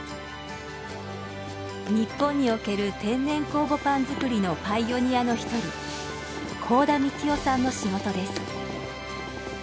日本における天然酵母パン作りのパイオニアの一人甲田幹夫さんの仕事です。